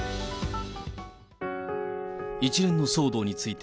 一連の騒動について、